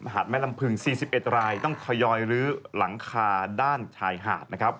แม่ลำพึง๔๑รายต้องทยอยลื้อหลังคาด้านชายหาดนะครับ